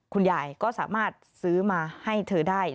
คุณยายก็สามารถซื้อมาให้เธอได้